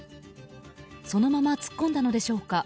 そのまま突っ込んだのでしょうか